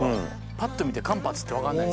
パッと見て勘八って分かんない。